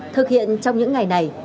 thực hiện trong những ngày này